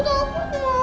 aku takut mak